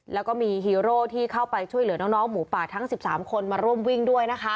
แล้วก็มีฮีโร่ที่เข้าไปช่วยเหลือน้องหมูป่าทั้ง๑๓คนมาร่วมวิ่งด้วยนะคะ